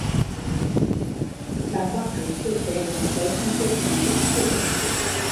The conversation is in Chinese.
劳巴赫是德国黑森州的一个市镇。